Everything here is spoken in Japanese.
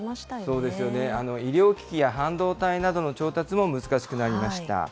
そうですよね、医療機器や半導体などの調達も難しくなりました。